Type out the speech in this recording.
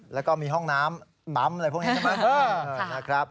แล้วก็มีห้องน้ำปั๊มอะไรพวกนี้ใช่ไหม